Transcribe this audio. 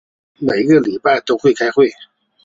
每一个礼拜都开会。